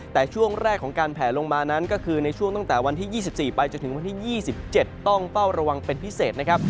แต่ช่วงแรกของการแผลลงมานั้นก็คือในช่วงตั้งแต่วันที่๒๔ไปจนถึงวันที่๒๗ต้องเป้าระวังเป็นพิเศษนะครับ